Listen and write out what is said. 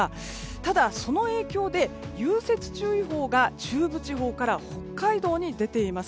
ただ、その影響で融雪注意報が中部地方から北海道に出ています。